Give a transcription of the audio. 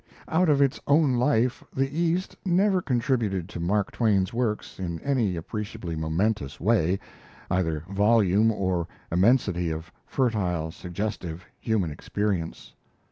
Out of its own life, the East never contributed to Mark Twain's works, in any appreciably momentous way, either volume or immensity of fertile, suggestive human experience.